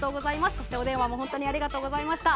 そしてお電話もありがとうございました。